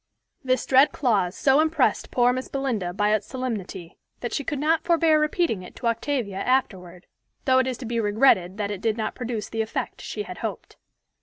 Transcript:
This dread clause so impressed poor Miss Belinda by its solemnity, that she could not forbear repeating it to Octavia afterward, though it is to be regretted that it did not produce the effect she had hoped.